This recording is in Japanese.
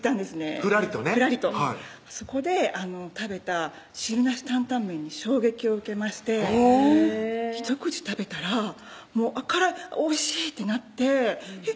ふらりとねふらりとそこで食べた「汁なし担々麺」に衝撃を受けましてひと口食べたら辛いおいしいってなってえっ